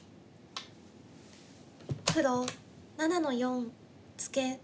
黒７の四ツケ。